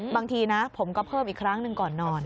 บางทีนะผมก็เพิ่มอีกครั้งหนึ่งก่อนนอน